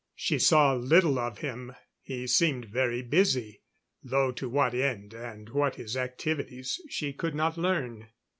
She saw little of him; he seemed very busy, though to what end, and what his activities, she could not learn.